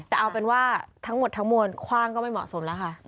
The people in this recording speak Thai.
แต่เอาเป็นว่าทั้งหมดทั้งมวลคว่างก็ไม่เหมาะสมแล้วค่ะ